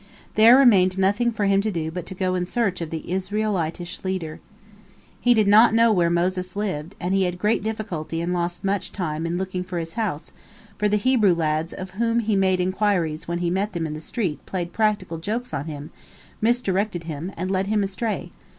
There remained nothing for him to do but go in search of the Israelitish leader. He did not know where Moses lived, and he had great difficulty and lost much time in looking for his house, for the Hebrew lads of whom he made inquiries when he met them in the street played practical jokes on him, misdirected him, and led him astray.